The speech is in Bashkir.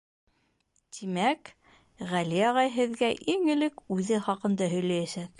— Тимәк, Ғәли ағай һеҙгә иң элек үҙе хаҡында һөйләйәсәк.